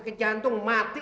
apa yang dengan kita